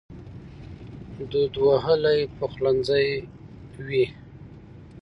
دود وهلی پخلنځی وي